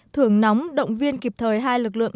thường nóng động viên kịp thời hai lực lượng